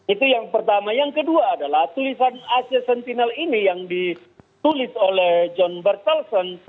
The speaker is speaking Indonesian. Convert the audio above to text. itu yang pertama yang kedua adalah tulisan asia sentinel ini yang ditulis oleh john bertelson